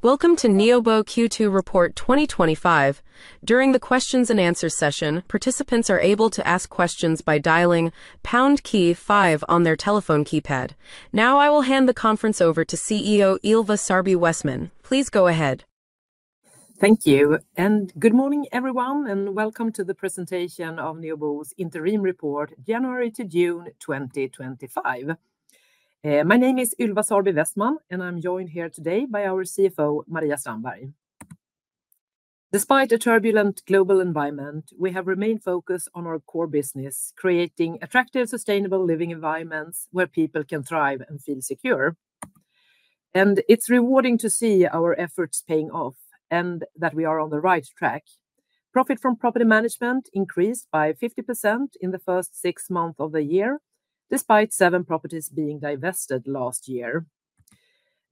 Welcome to Neobo Q2 Report 2025. During the questions and answers session, participants are able to ask questions by dialing pound key five on their telephone keypad. Now, I will hand the conference over to CEO Ylva Sarby Westman. Please go ahead. Thank you, and good morning everyone, and welcome to the presentation of Neobo Fastigheter AB's interim report January to June 2025. My name is Ylva Sarby Westman, and I'm joined here today by our CFO, Maria Strandberg. Despite a turbulent global environment, we have remained focused on our core business: creating attractive, sustainable living environments where people can thrive and feel secure. It is rewarding to see our efforts paying off and that we are on the right track. Profit from property management increased by 50% in the first six months of the year, despite seven properties being divested last year.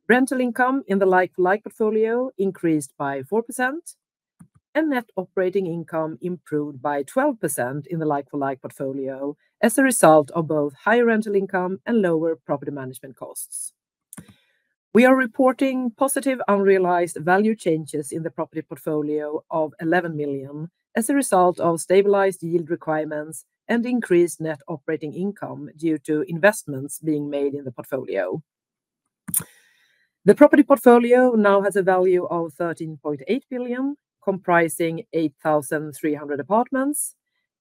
Rental income in the like-for-like portfolio increased by 4%, and net operating income improved by 12% in the like-for-like portfolio as a result of both higher rental income and lower property management costs. We are reporting positive unrealized value changes in the property portfolio of 11 million as a result of stabilized yield requirements and increased net operating income due to investments being made in the portfolio. The property portfolio now has a value of 13.8 billion, comprising 8,300 apartments,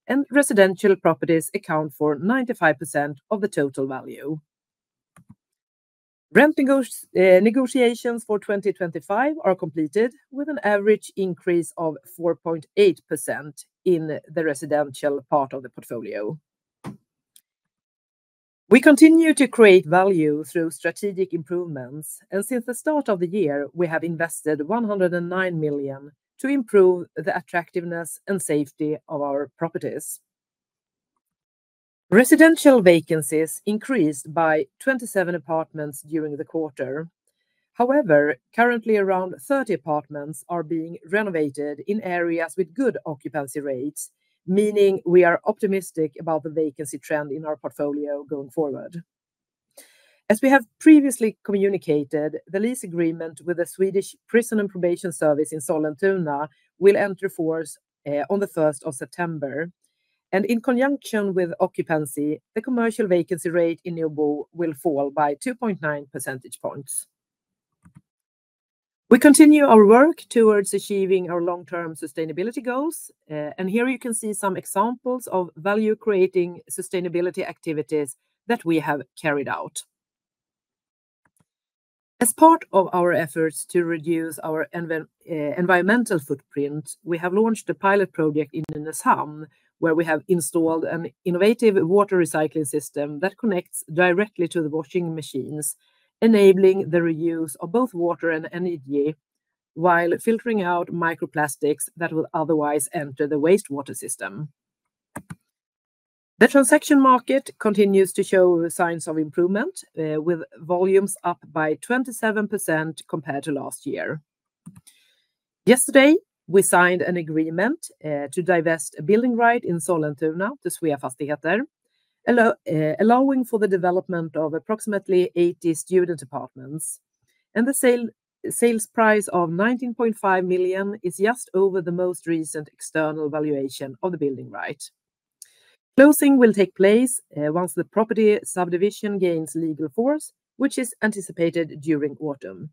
and residential properties account for 95% of the total value. Rent negotiations for 2025 are completed with an average increase of 4.8% in the residential part of the portfolio. We continue to create value through strategic improvements, and since the start of the year, we have invested 109 million to improve the attractiveness and safety of our properties. Residential vacancies increased by 27 apartments during the quarter. However, currently around 30 apartments are being renovated in areas with good occupancy rates, meaning we are optimistic about the vacancy trend in our portfolio going forward. As we have previously communicated, the lease agreement with the Swedish Prison and Probation Service in Sollentuna will enter force on the 1st of September, and in conjunction with occupancy, the commercial vacancy rate in Neobo will fall by 2.9 percentage points. We continue our work towards achieving our long-term sustainability goals, and here you can see some examples of value-creating sustainability activities that we have carried out. As part of our efforts to reduce our environmental footprint, we have launched a pilot project in Nynäshamn where we have installed an innovative water recycling system that connects directly to the washing machines, enabling the reuse of both water and energy while filtering out microplastics that would otherwise enter the wastewater system. The transaction market continues to show signs of improvement, with volumes up by 27% compared to last year. Yesterday, we signed an agreement to divest a building right in Sollentuna to Sveafastigheter, allowing for the development of approximately 80 student apartments, and the sales price of 19.5 million is just over the most recent external valuation of the building right. Closing will take place once the property subdivision gains legal force, which is anticipated during autumn.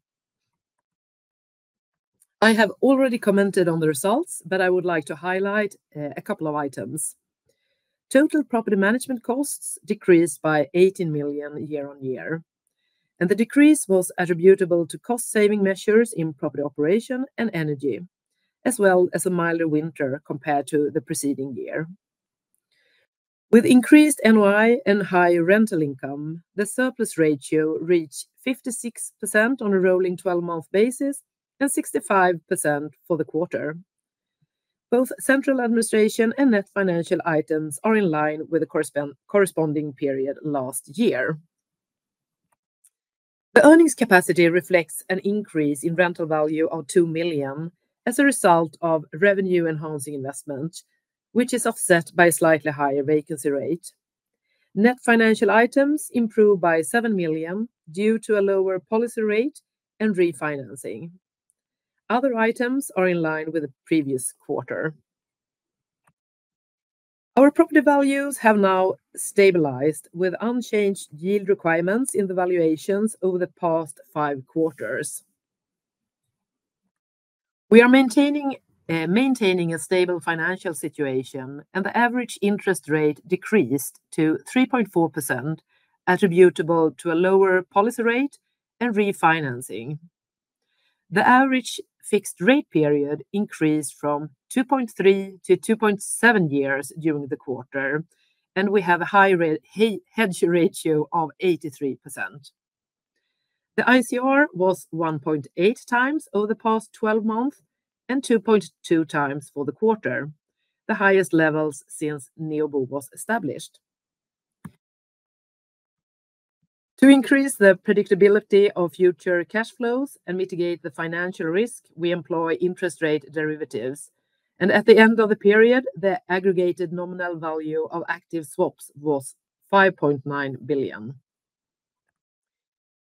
I have already commented on the results, but I would like to highlight a couple of items. Total property management costs decreased by 18 million year-on-year, and the decrease was attributable to cost-saving measures in property operation and energy, as well as a milder winter compared to the preceding year. With increased NOI and higher rental income, the surplus ratio reached 56% on a rolling 12-month basis and 65% for the quarter. Both central administration and net financial items are in line with the corresponding period last year. The earnings capacity reflects an increase in rental value of 2 million as a result of revenue and housing investment, which is offset by a slightly higher vacancy rate. Net financial items improved by 7 million due to a lower policy rate and refinancing. Other items are in line with the previous quarter. Our property values have now stabilized with unchanged yield requirements in the valuations over the past five quarters. We are maintaining a stable financial situation, and the average interest rate decreased to 3.4%, attributable to a lower policy rate and refinancing. The average fixed rate period increased from 2.3 to 2.7 years during the quarter, and we have a high hedge ratio of 83%. The ICR was 1.8 times over the past 12 months and 2.2 times for the quarter, the highest levels since Neobo was established. To increase the predictability of future cash flows and mitigate the financial risk, we employ interest rate derivatives, and at the end of the period, the aggregated nominal value of active swaps was 5.9 billion.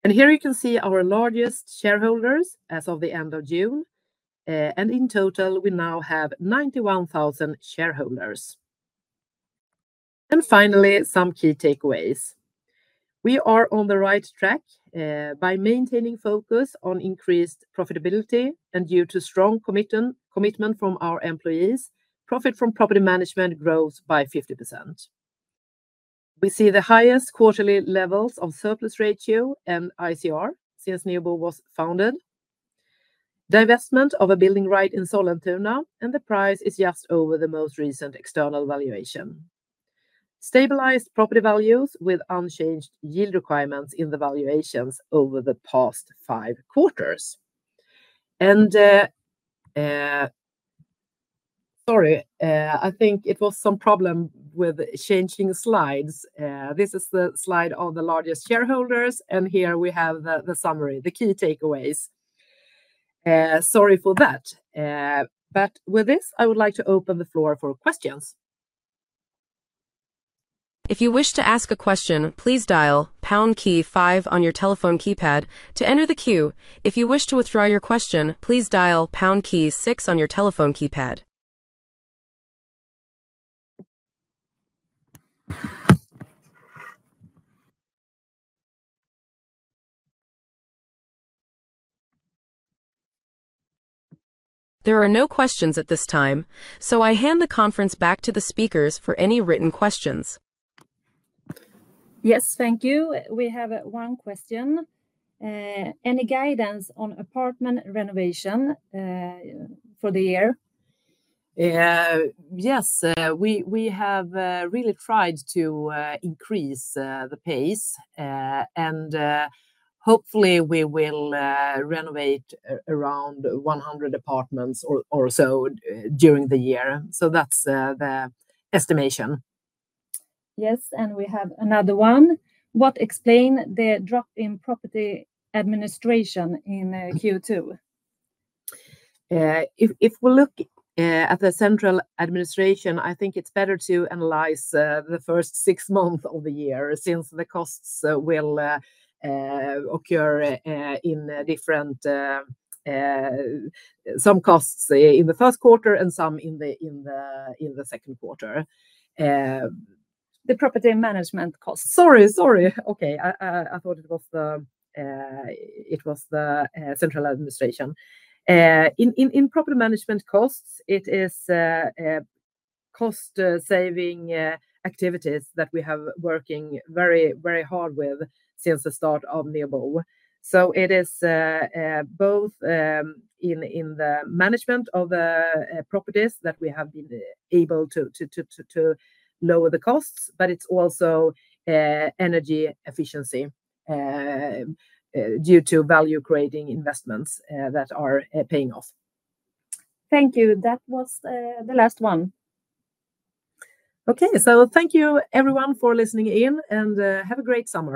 Here you can see our largest shareholders as of the end of June. In total, we now have 91,000 shareholders. Finally, some key takeaways. We are on the right track by maintaining focus on increased profitability, and due to strong commitment from our employees, profit from property management grows by 50%. We see the highest quarterly levels of surplus ratio and ICR since Neobo was founded. Divestment of a building right in Sollentuna, and the price is just over the most recent external valuation. Stabilized property values with unchanged yield requirements in the valuations over the past five quarters. This is the slide of the largest shareholders, and here we have the summary, the key takeaways. With this, I would like to open the floor for questions. If you wish to ask a question, please dial pound key five on your telephone keypad to enter the queue. If you wish to withdraw your question, please dial pound key six on your telephone keypad. There are no questions at this time, so I hand the conference back to the speakers for any written questions. Yes, thank you. We have one question. Any guidance on apartment renovation for the year? Yes, we have really tried to increase the pace, and hopefully, we will renovate around 100 apartments or so during the year. That's the estimation. Yes, we have another one. What explains the drop in property administration in Q2? If we look at the central administration, I think it's better to analyze the first six months of the year since the costs will occur in different periods. Some costs in the first quarter and some in the second quarter. The property management cost—sorry, sorry. Okay, I thought it was the central administration. In property management costs, it is cost-saving activities that we have been working very, very hard with since the start of Neobo. It is both in the management of the properties that we have been able to lower the costs, but it's also energy efficiency due to value-creating investments that are paying off. Thank you. That was the last one. Thank you everyone for listening in, and have a great summer.